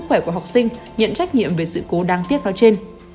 và các đoàn thể của học sinh nhận trách nhiệm về sự cố đáng tiếc đó trên